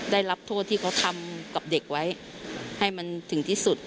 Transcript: ได้รับโทษที่เขาทำกับเด็กไว้ให้มันถึงที่สุด